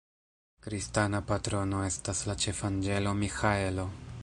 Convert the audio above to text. Kristana patrono estas la ĉefanĝelo Miĥaelo.